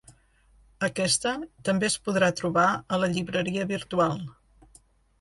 Aquesta, també es podrà trobar a la llibreria virtual.